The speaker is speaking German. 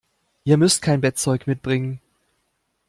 Ihr müsst kein Bettzeug mitbringen.